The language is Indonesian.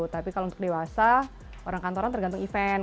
tapi kalau untuk dewasa orang kantoran tergantung event